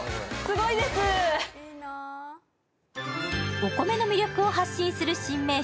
お米の魅力を発信する新名所